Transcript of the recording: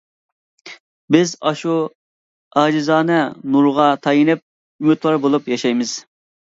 بىز ئاشۇ ئاجىزانە نۇرغا تايىنىپ ئۈمىدۋار بولۇپ ياشايمىز.